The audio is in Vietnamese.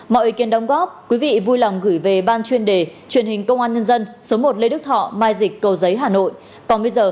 mọi ý kiến đóng góp quý vị vui lòng gửi về ban chuyên đề truyền hình công an nhân dân số một lê đức thọ mai dịch cầu giấy hà nội